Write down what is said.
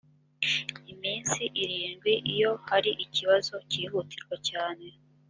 iminsi irindwi iyo hari ikibazo cyihutirwa cyane.